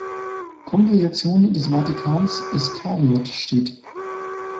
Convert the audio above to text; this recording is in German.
Kongregation des Vatikans, Iskariot, steht.